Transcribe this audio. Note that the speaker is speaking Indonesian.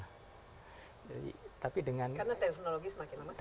karena teknologi semakin lama